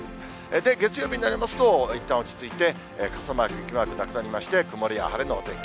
月曜日になりますと、いったん落ち着いて、傘マーク、雪マークなくなりまして、曇りや晴れのお天気。